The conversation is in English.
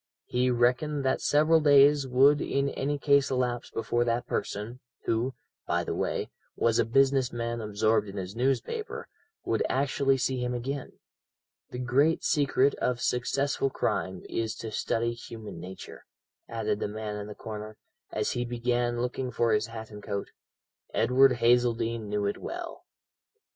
He reckoned that several days would in any case elapse before that person, who, by the way, was a business man absorbed in his newspaper, would actually see him again. The great secret of successful crime is to study human nature," added the man in the corner, as he began looking for his hat and coat. "Edward Hazeldene knew it well."